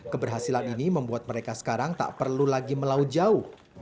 keberhasilan ini membuat mereka sekarang tak perlu lagi melaut jauh